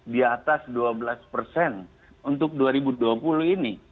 di atas dua belas persen untuk dua ribu dua puluh ini